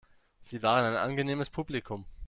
Sie waren ein angenehmes Publikum.